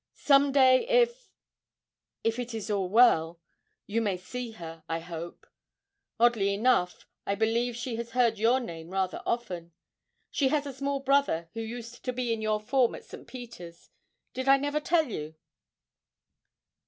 'Some day if if it is all well, you may see her, I hope. Oddly enough, I believe she has heard your name rather often; she has a small brother who used to be in your form at St. Peter's; did I never tell you?'